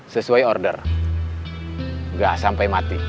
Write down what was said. sesuai order nggak sampai mati